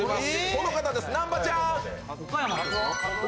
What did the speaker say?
この方です、南波ちゃん。